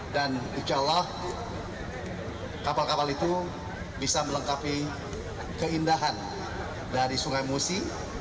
dan insya allah kapal kapal itu bisa melengkapi keindahan dari sungai musi